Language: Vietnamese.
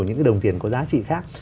những cái đồng tiền có giá trị khác